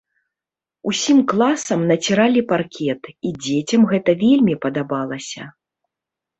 Усім класам націралі паркет, і дзецям гэта вельмі падабалася.